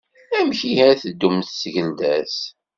Amek ihi ara tdum tgelda-s?